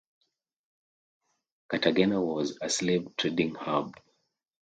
Cartagena was a slave-trading hub.